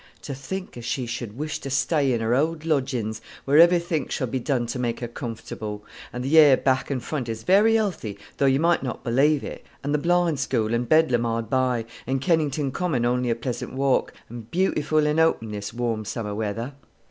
To think as she should wish to stay in her old lodgins, where everythink shall be done to make her comfortable; and the air back and front is very 'ealthy, though you might not believe it, and the Blind School and Bedlam hard by, and Kennington Common only a pleasant walk, and beautiful and open this warm summer weather."